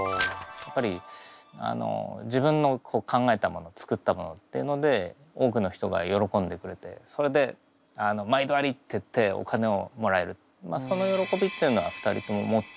やっぱり自分の考えたもの作ったものっていうので多くの人がよろこんでくれてそれで「毎度あり」って言ってお金をもらえるそのよろこびっていうのは２人とも持っていたと思ってて。